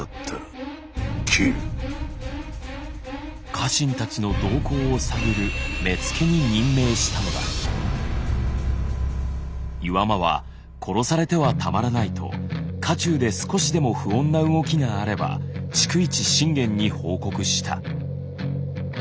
家臣たちの動向を探る岩間は殺されてはたまらないと家中で少しでも不穏な動きがあれば逐一信玄に報告した。